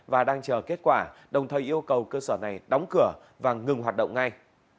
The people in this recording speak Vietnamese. và đang chờ kết quả đồng thời yêu cầu cơ sở này đóng cửa và ngừng hoạt động ngay